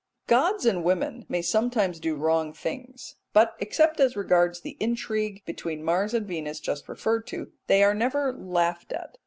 Gods and women may sometimes do wrong things, but, except as regards the intrigue between Mars and Venus just referred to, they are never laughed at.